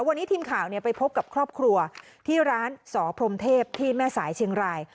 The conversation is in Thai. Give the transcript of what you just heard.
วันนี้ทีมข่าวไปพบกับครอบครัวที่ร้านสอพรมเทพที่แม่สายเชียงราย